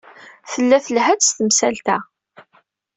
Tella telha-d s temsalt-a.